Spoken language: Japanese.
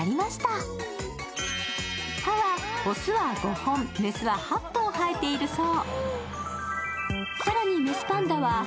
歯は、歯はオスは５本、メスは８本生えているそう。